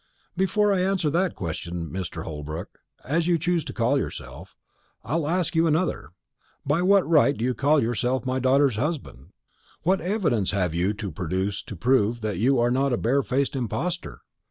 "Before I answer that question, Mr. Mr. Holbrook, as you choose to call yourself, I'll ask you another. By what right do you call yourself my daughter's husband? what evidence have you to produce to prove that you are not a bare faced impostor?